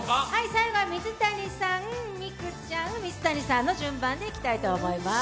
最後は水谷さん、美空ちゃん、水谷さんの順番でいきたいと思います。